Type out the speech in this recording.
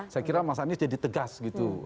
saya kira mas anies jadi tegas gitu